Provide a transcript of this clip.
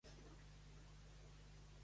Telefona a l'Arwa Garrigos.